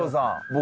僕。